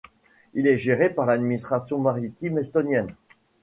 Il est géré par l'Administration maritime estonienne.